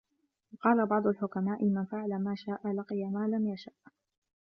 وَقَالَ بَعْضُ الْحُكَمَاءِ مَنْ فَعَلَ مَا شَاءَ لَقِيَ مَا لَمْ يَشَأْ